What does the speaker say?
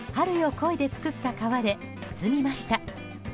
恋で作った皮で包みました。